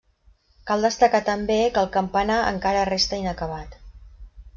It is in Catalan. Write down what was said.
Cal destacar també que el campanar encara resta inacabat.